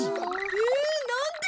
えなんで！？